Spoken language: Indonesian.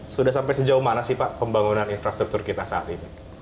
sudah sampai sejauh mana sih pak pembangunan infrastruktur kita saat ini